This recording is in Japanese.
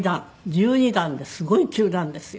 １２段ですごい急なんですよ。